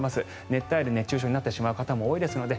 熱帯夜で熱中症になってしまう方も多いので。